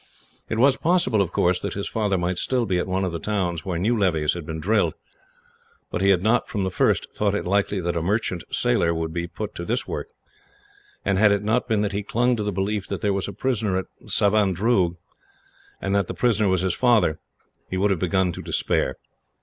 It was possible, of course, that his father might still be at one of the towns where new levies had been drilled; but he had not, from the first, thought it likely that a merchant sailor would be put to this work; and had it not been that he clung to the belief that there was a prisoner at Savandroog, and that that prisoner was his father, he would have begun to despair.